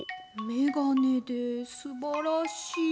めがねですばらしい。